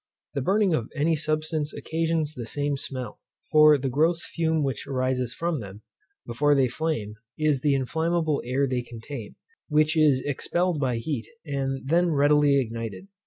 The burning of any substance occasions the same smell: for the gross fume which arises from them, before they flame, is the inflammable air they contain, which is expelled by heat, and then readily ignited.